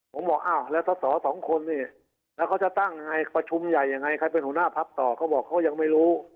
ผมบอกอ้าวแล้วสอสอสองคนนี่แล้วเขาจะตั้งยังไงประชุมใหญ่ยังไงใครเป็นหัวหน้าพักต่อเขาบอกเขายังไม่รู้